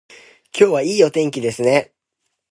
今日はいいお天気ですね